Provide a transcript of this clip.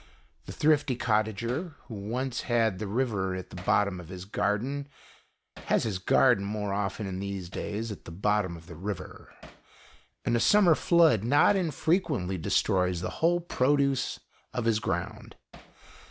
The thrifty cottager who once had the river at the bottom of his garden, has his garden more often in these days, at the bottom of the river, and a summer flood not infrequently destroys the whole produce of his ground.